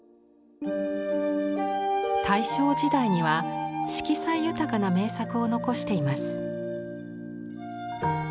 大正時代には色彩豊かな名作を残しています。